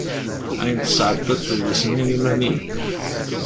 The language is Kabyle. Ayen tesɛeddaḍ d lesnin iman-im.